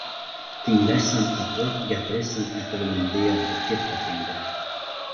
Tinglash san’ati gapirish san’ati bilan deyarli teppa-tengdir.